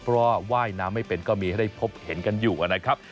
เพราะว่าว่ายน้ำไม่เป็นก็มีให้ได้พบเห็นกันอยู่นะครับ